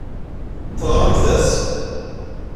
Teɣramt-as?